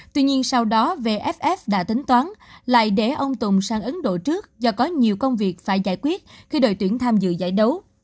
tuy nhiên sau đó vff đã tính toán lại để ông tùng sang ấn độ trước do có nhiều công việc phải giải quyết khi đội tuyển tham dự giải đấu